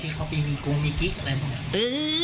ที่เขาเป็นกุมกริ๊กอะไรเนอะ